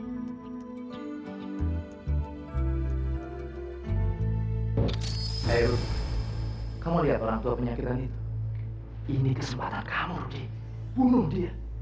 sampai jumpa di video selanjutnya